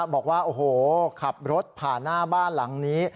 บอกว่าโอ้โหขับรถผ่านหน้าบ้านหลังนี้